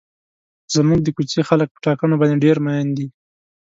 زموږ د کوڅې خلک په ټاکنو باندې ډېر مین دي.